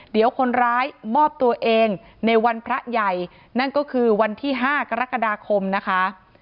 เดี๋ยวคนร้ายมอบตัวเองในวันพระใหญ่นั่นก็คือวันที่๕กรกฎาคมนะคะ